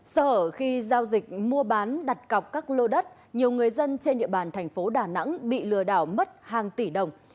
sở khi giao dịch mua bán đặt cọc các lô đất nhiều người dân trên địa bàn thành phố đà nẵng bị lừa đảo mất hàng tỷ đồng